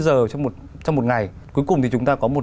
giờ trong một ngày cuối cùng thì chúng ta có một